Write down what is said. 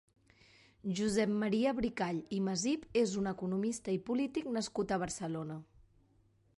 Josep Maria Bricall i Masip és un economista i polític nascut a Barcelona.